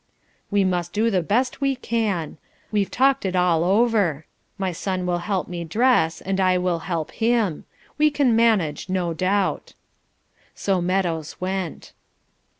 "We must do the best we can. We've talked it all over. My son will help me dress and I will help him. We can manage, no doubt." So Meadows went.